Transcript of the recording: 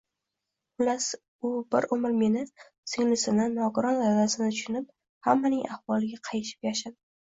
Xullas, u bir umr meni, singlisini, nogiron dadasini tushunib, hammaning ahvoliga qayishib yashadi